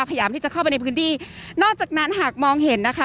พยายามที่จะเข้าไปในพื้นที่นอกจากนั้นหากมองเห็นนะคะ